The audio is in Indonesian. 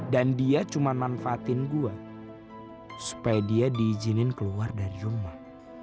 dan dia cuma manfaatin gue supaya dia diizinin keluar dari rumah